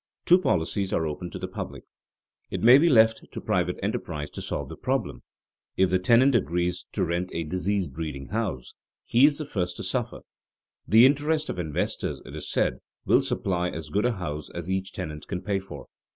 Two policies are open to the public. It may be left to private enterprise to solve the problem. If the tenant agrees to rent a disease breeding house, he is the first to suffer. The interests of investors, it is said, will supply as good a house as each tenant can pay for.